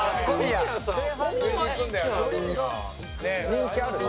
人気ある？